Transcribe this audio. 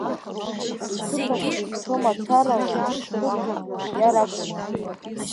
Иҭыԥ ахь дыӡсо мацара, ԥыҭрак днаскьар акәын.